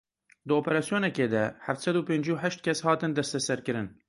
Di operasyonekê de heft sed û pêncî û heşt kes hatin desteserkirin.